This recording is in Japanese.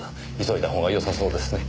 急いだほうがよさそうですね。